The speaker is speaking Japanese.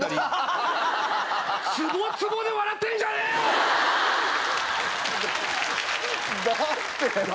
ツボツボで笑ってんじゃねえよ‼だって！